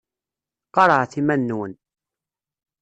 Qarɛet iman-nwen.